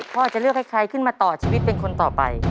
พ่อจะเลือกให้ใครขึ้นมาต่อชีวิตเป็นคนต่อไป